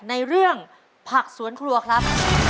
ในเรื่องผักสวนครัวครับ